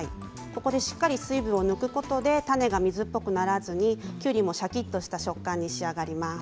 ここでしっかり水分を抜くことでタネが水っぽくならずにきゅうりのシャキっとした食感に仕上がります。